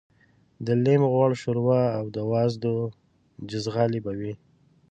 د لېم غوړ شوروا او د وازدو جیزغالي به وې.